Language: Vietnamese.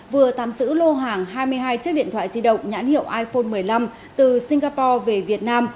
vừa tạm giữ lô hàng hai mươi hai chiếc điện thoại di động nhãn hiệu iphone một mươi năm từ singapore về việt nam